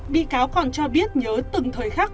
bi cáo còn cho biết nhớ từng thời khác